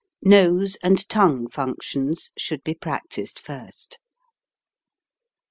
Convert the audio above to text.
Nose and tongue func tion should be practised first.